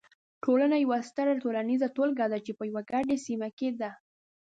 ټولنه یوه ستره ټولنیزه ټولګه ده چې په یوې ګډې سیمې کې ده.